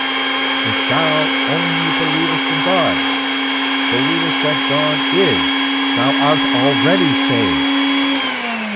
If thou only believest in God believest that God is, thou art already saved.